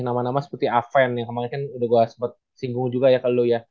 nama nama seperti aven yang kemarin kan udah gue sempat singgung juga ya kalau dulu ya